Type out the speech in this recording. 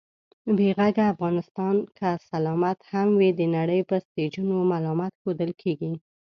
بې غږه افغانستان که سلامت هم وي، د نړۍ په سټېجونو ملامت ښودل کېږي